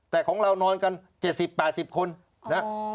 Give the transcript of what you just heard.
แต่ของเรานอนกัน๗๐๘๐คนนะ